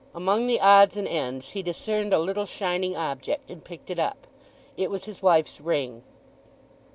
Among the odds and ends he discerned a little shining object, and picked it up. It was his wife's ring.